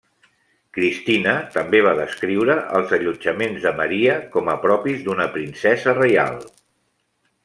Cristina també va descriure els allotjaments de Maria com a propis d'una princesa reial.